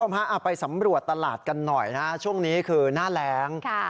ไปสำรวจตลาดกันหน่อยนะช่วงนี้คือหน้าแรง